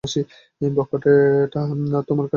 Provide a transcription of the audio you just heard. বখাটেটা আর তোমার কাছে আসবে না।